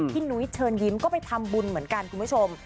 นุ้ยเชิญยิ้มก็ไปทำบุญเหมือนกันคุณผู้ชม